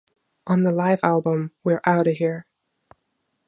On the live album We're Outta Here!